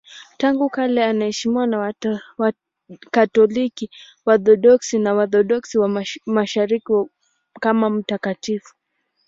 Tangu kale anaheshimiwa na Wakatoliki, Waorthodoksi na Waorthodoksi wa Mashariki kama mtakatifu.